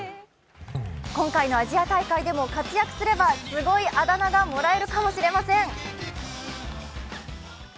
今回のアジア大会でも活躍すればすごいあだ名がもらえるかもしれません。